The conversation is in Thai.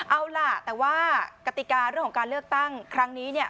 เอาล่ะแต่ว่ากติกาเรื่องของการเลือกตั้งครั้งนี้เนี่ย